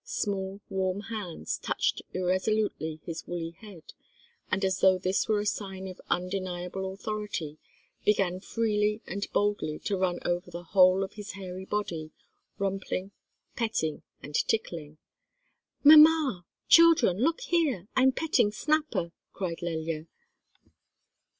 Small warm hands touched irresolutely his woolly head, and as though this were a sign of undeniable authority, began freely and boldly to run over the whole of his hairy body, rumpling, petting, and tickling. "Mamma! children! look here, I'm petting Snapper," cried Lelya.